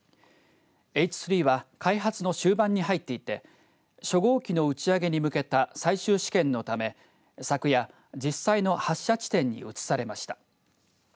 Ｈ３は開発の終盤に入っていて初号機の打ち上げに向けた最終試験のため昨夜、実際の発射地点に移されました。